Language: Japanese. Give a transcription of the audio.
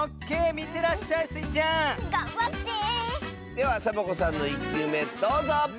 ではサボ子さんの１きゅうめどうぞ！